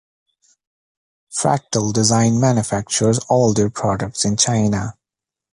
Fractal Design manufactures all their products in China.